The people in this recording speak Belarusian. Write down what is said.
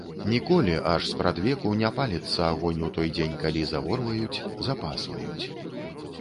Ніколі, аж спрадвеку, не паліцца агонь у той дзень, калі заворваюць, запасваюць.